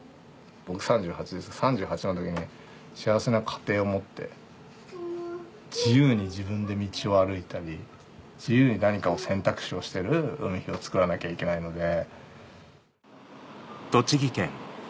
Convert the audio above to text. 僕３８ですけど３８の時に幸せな家庭を持って自由に自分で道を歩いたり自由に何か選択してる海陽をつくらなきゃいけないので。